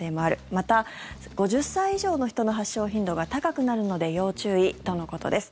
また、５０歳以上の人の発症頻度が高くなるので要注意とのことです。